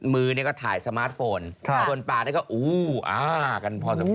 มือเนี่ยก็ถ่ายสมาร์ทโฟนส่วนปลานี่ก็อู้อกันพอสมควร